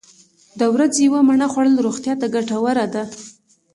د ورځې یوه مڼه خوړل روغتیا ته ګټوره ده.